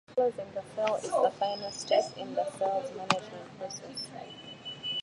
Closing the sale is the final step in the sales management process.